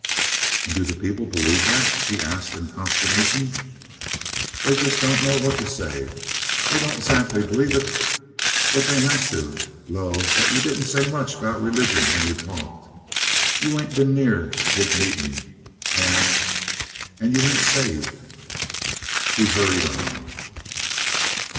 "And do the people believe that?" she asked in consternation. "They just don't know what to say. They don't 'zactly believe it, but they has to 'low that you didn't say much 'bout religion when you talked. You ain't been near Big Meetin' and and you ain't saved." He hurried on.